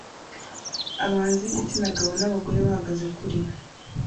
Abahanzi b'igitsina gabo n'abagore bahagaze kuri